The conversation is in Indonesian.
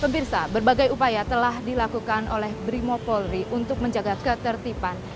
pemirsa berbagai upaya telah dilakukan oleh brimo polri untuk menjaga ketertiban